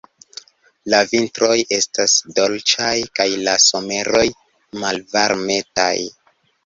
La vintroj estas dolĉaj kaj la someroj malvarmetaj.